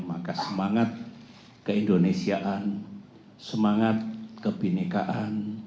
maka semangat keindonesiaan semangat kebinekaan